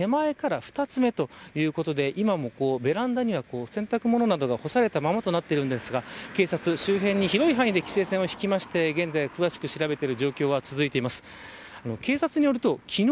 当該の部屋自体は２階建ての手前から２つ目ということで今もベランダには洗濯物などが干されたままになっていますが警察周辺に規制線を張って現在詳しく調べている状況は続いています。